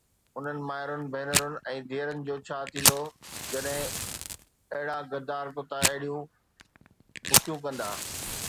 انهن مائرن، ڀينرن ۽ ڌيئرن جو ڇا ٿيندو جڏهن اهڙا غدار ڪتا اهڙيون بکيون ڪندا